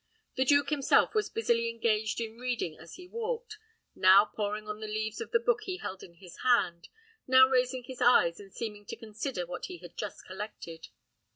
The duke himself was busily engaged in reading as he walked, now poring on the leaves of the book he held in his hand, now raising his eyes and seeming to consider what he had just collected.